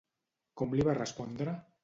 Com li va respondre?